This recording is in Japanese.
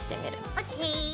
ＯＫ！